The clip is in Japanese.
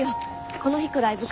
この日くらい部活。